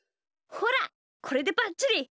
ほらこれでバッチリ！